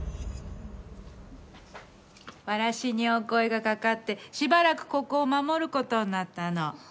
わらしにお声がかかってしばらくここを守る事になったの。